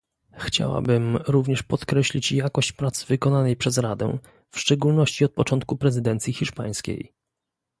Chciałabym również podkreślić jakość pracy wykonanej przez Radę, w szczególności od początku prezydencji hiszpańskiej